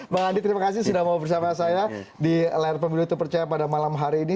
bang andi terima kasih sudah mau bersama saya di layar pemilu terpercaya pada malam hari ini